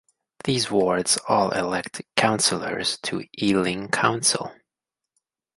These wards all elect councillors to Ealing Council.